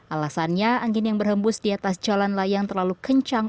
alasannya angin yang berhembus di atas jalan layang terlalu kencang